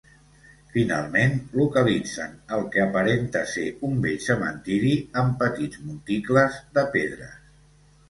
Finalment, localitzen el que aparenta ser un vell cementiri amb petits monticles de pedres.